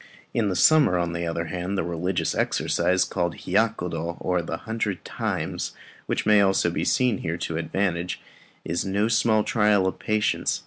In summer, on the other hand, the religious exercise called Hiyakudo, or "the hundred times," which may also be seen here to advantage, is no small trial of patience.